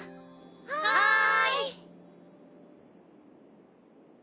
はい！